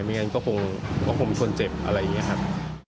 อย่างนั้นก็คงชนเจ็บอะไรอย่างนี้ครับ